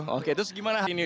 oke terus gimana ini